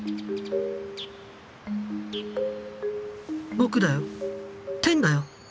僕だよてんだよ